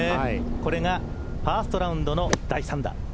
これがファーストラウンドの第３打。